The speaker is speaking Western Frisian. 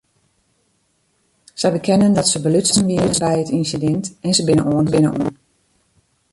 Sy bekenden dat se belutsen wiene by it ynsidint en se binne oanholden.